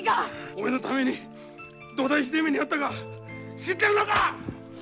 お前のためにどだいひでえ目に遭ったか知ってるのか！